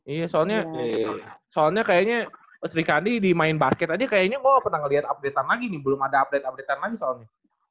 iya soalnya soalnya kayaknya sri kandi di main basket aja kayaknya gue pernah ngeliat update an lagi nih belum ada update update an lagi soalnya